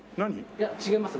いや違います